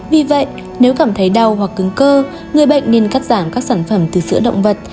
vì vậy nếu cảm thấy đau hoặc cứng cơ người bệnh nên cắt giảm các sản phẩm từ sữa động vật